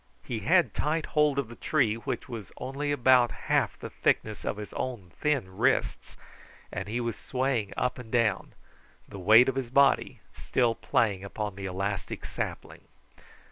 He had tight hold of the tree, which was only about half the thickness of his own thin wrists, and he was swaying up and down, the weight of his body still playing upon the elastic sapling.